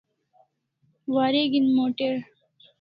Wareg'in motor